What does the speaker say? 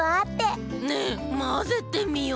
ねえまぜてみよう！